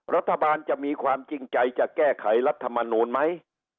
รัฐบาลจะมีความจริงใจจะแก้ไขรัฐมนูลไหม